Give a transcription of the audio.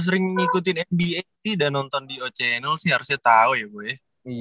sering ngikutin nba dan nonton di o channel sih harusnya tau ya boh ya